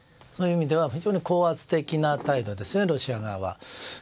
そういう意味では本当に高圧的な態度ですね、ロシア側は。